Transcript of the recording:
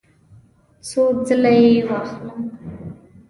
څو ځله یی واخلم؟